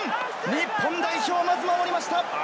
日本代表、まず守りました。